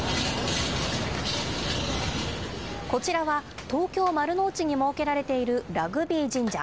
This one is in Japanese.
こちらは東京・丸の内に設けられているラグビー神社。